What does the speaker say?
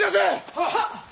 はっ！